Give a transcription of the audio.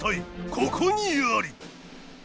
ここにあり！